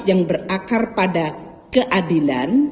yang berakar pada keadilan